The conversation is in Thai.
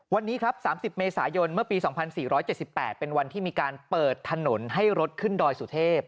วันนี้ครับ๓๐เมษายนเมื่อปี๒๔๗๘เป็นวันที่มีการเปิดถนนให้รถขึ้นดอยสุเทพ